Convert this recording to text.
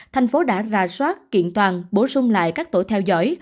thành phố đã ra soát kiện toàn bổ sung lại các tổ theo dõi